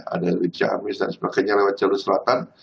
ada rijamis dan sebagainya lewat jalur selatan